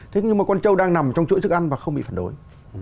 thế nhưng mà con châu đang nằm trong chuỗi sức ăn và không bị phản đối